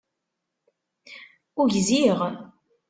Ugziɣ